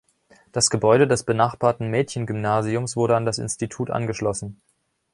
Das Gebäude des benachbarten Mädchengymnasiums wurde an das Institut angeschlossen.